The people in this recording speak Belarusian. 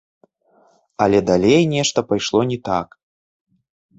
Але далей нешта пайшло не так.